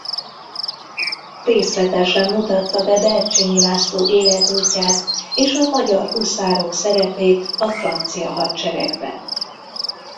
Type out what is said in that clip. Részletesen mutatta be Bercsényi László életútját és a magyar huszárok szerepét a francia hadseregben.